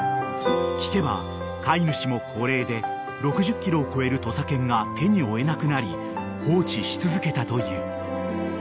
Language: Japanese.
［聞けば飼い主も高齢で６０ｋｇを超える土佐犬が手に負えなくなり放置し続けたという］